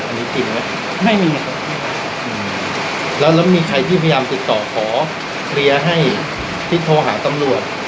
อันนี้จริงไหมไม่มีครับแล้วแล้วมีใครที่พยายามติดต่อขอเคลียร์ให้ที่โทรหาตำรวจ